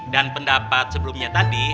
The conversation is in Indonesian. dan pendapat sebelumnya tadi